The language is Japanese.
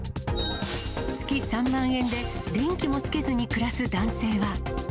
月３万円で電気もつけずに暮らす男性は。